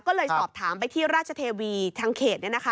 ก็เลยสอบถามไปที่ราชเทวีทางเขต